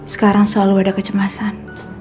sekarang selalu ada kecemasan